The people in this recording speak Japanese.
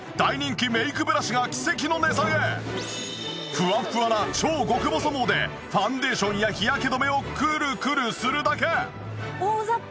フワフワな超極細毛でファンデーションや日焼け止めをくるくるするだけ！